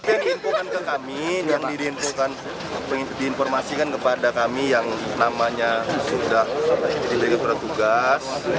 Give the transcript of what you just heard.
ini diinfo kan ke kami ini yang diinfo kan diinformasikan kepada kami yang namanya sudah dpp golkar